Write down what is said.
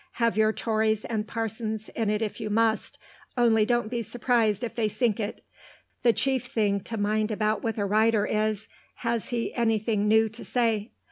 Have your Tories and parsons in if you must, only don't be surprised if they sink it.... The chief thing to mind about with a writer is, has he anything new to say?